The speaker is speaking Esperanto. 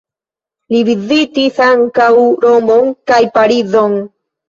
Li vizitis ankaŭ Romon kaj Parizon.